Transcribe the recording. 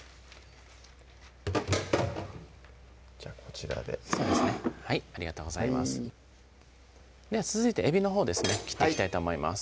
こちらでそうですねありがとうございますでは続いてえびのほうですね切っていきたいと思います